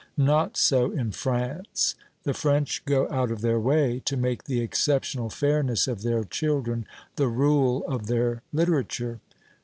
Not so in France; the French go out of their way to make the exceptional fairness of their children the rule of their literature.